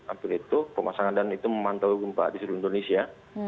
hampir itu pemasangan dan itu memantau gempa di seluruh indonesia